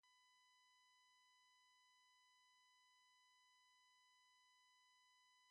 We have to suppose that the games were celebrated at barley-harvest.